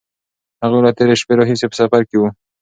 هغوی له تېرې شپې راهیسې په سفر کې وو.